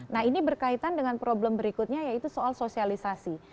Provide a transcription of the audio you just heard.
nah ini berkaitan dengan problem berikutnya yaitu soal sosialisasi